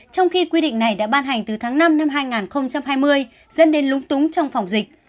trong khi quy định này đã ban hành từ tháng năm năm hai nghìn hai mươi dẫn đến lúng túng trong phòng dịch